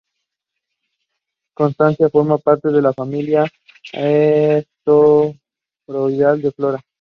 Constantia forma parte de la familia asteroidal de Flora.